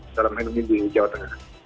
dalam hal ini di jawa tengah